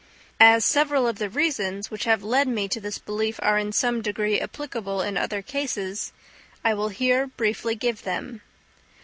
As several of the reasons which have led me to this belief are in some degree applicable in other cases, I will here briefly give them.